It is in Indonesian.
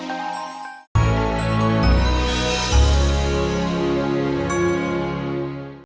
amolinain lebat artifactsan seryang semuanya